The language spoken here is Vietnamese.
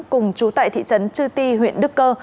cùng chú tại thị trấn chư ti huyện đức cơ